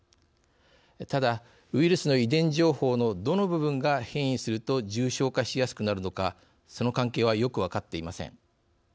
ただウイルスの遺伝情報のどの部分が変異すると重症化しやすくなるのかその関係はよく分かっていません。